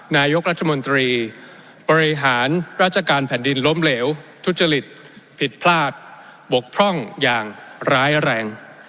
นายกรัฐมนตรีบริหารราชการแผ่นดินล้มเหลวทุจริตผิดพลาดบกพร่องอย่างร้ายแรง